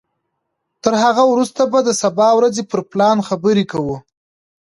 تر هغه وروسته به د سبا ورځې پر پلان خبرې کوو.